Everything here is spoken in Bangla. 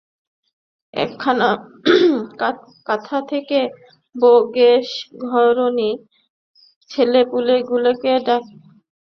একখানা কাঁথা পেতে বোগেশ-ঘরণী ছেলেপিলেগুলিকে ডেকের উপর শুইয়ে চলে যায়।